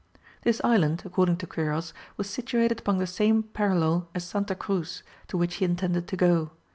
This island, according to Quiros, was situated upon the same parallel as Santa Cruz, to which he intended to go.